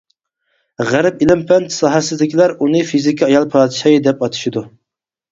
غەرب ئىلىم-پەن ساھەسىدىكىلەر ئۇنى فىزىكا ئايال پادىشاھى دەپ ئاتىشىدۇ.